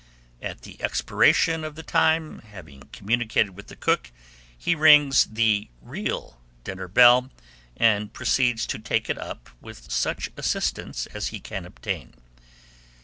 At the expiration of the time, having communicated with the cook, he rings the real dinner bell, and proceeds to take it up with such assistance as he can obtain.